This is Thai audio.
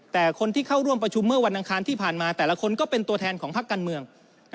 แต่คนที่เข้าร่วมประชุมเมื่อวันอังคารที่ผ่านมาแต่ละคนก็เป็นตัวแทนของพักการเมือง